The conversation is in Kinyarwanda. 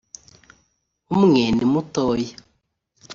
umwe ni mutoya